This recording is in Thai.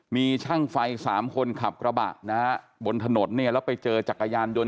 มีช่างไฟ๓คนขับกระบะบนถนนแล้วไปเจอจักรยานยนต์